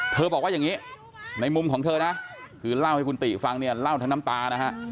บอกว่าอย่างนี้ในมุมของเธอนะคือเล่าให้คุณติฟังเนี่ยเล่าทั้งน้ำตานะฮะ